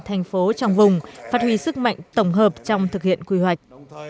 thành phố trong vùng phát huy sức mạnh tổng hợp trong thực hiện quy hoạch